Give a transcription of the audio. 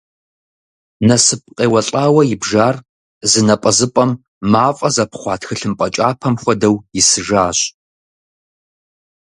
Нэсып къеуэлӏауэ ибжар, зы напӏэзыпӏэм мафӏэ зэпхъуа тхылымпӏэ кӏапэм хуэдэу исыжащ.